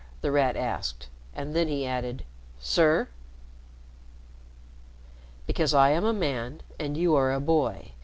The Rat asked, and then he added, "sir." "Because I am a man and you are a boy.